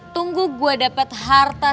tunggu gue dapet harta